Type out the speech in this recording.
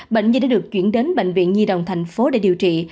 bệnh nhi đã được chuyển đến bệnh viện nhi đồng thành phố để điều trị